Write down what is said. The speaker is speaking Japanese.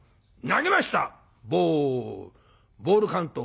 投げました！